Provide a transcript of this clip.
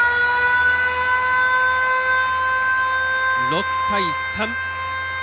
６対３。